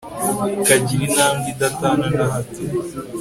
ukagira intambwe idatana na hato